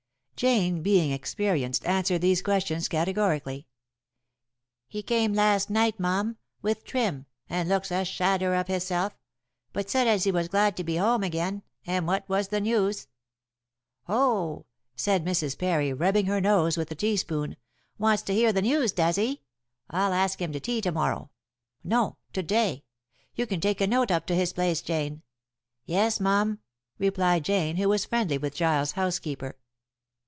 Jane, being experienced, answered these questions categorically. "He came last night, mum, with Trim, and looks a shadder of hisself, but said as he was glad to be home again, and what was the news." "Ho!" said Mrs. Parry, rubbing her nose with a teaspoon, "wants to hear the news, does he? I'll ask him to tea to morrow no, to day. You can take a note up to his place, Jane." "Yes, mum," replied Jane, who was friendly with Giles' housekeeper.